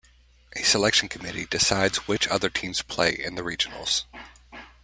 A selection committee decides which other teams play in the regionals.